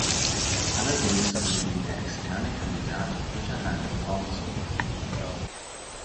Allerdings wurde ihm der externe Kandidat Peter Langen vorgezogen.